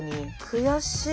悔しい。